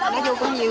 nó vô cũng nhiều